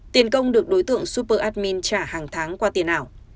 tiền công được đối tượng super admin trả hàng tháng qua tiền ảo